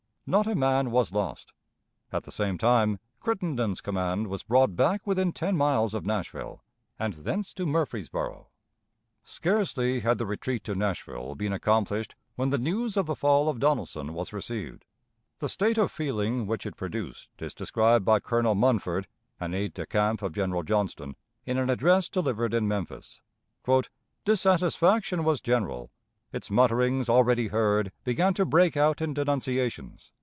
Not a man was lost. At the same time Crittenden's command was brought back within ten miles of Nashville, and thence to Murfreesboro. Scarcely had the retreat to Nashville been accomplished, when the news of the fall of Donelson was received. The state of feeling which it produced is described by Colonel Munford, an aide de camp of General Johnston, in an address delivered in Memphis. "Dissatisfaction was general. Its mutterings, already heard, began to break out in denunciations.